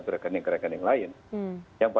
di dalamik ketika